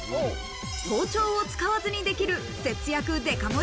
包丁を使わずにできる節約デカ盛り